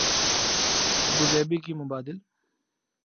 Abu Dhabi کی مبادل